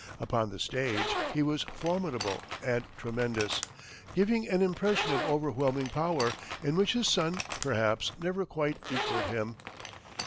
Upon the stage he was formidable and tremendous, giving an impression of overwhelming power, in which his son, perhaps, never quite equalled him.